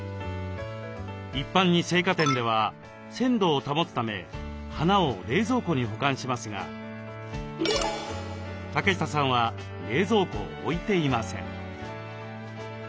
一般に生花店では鮮度を保つため花を冷蔵庫に保管しますが竹下さんは冷蔵庫を置いていません。